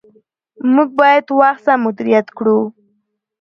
موږ باید وخت سم مدیریت کړو